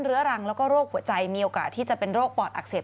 เรื้อรังแล้วก็โรคหัวใจมีโอกาสที่จะเป็นโรคปอดอักเสบ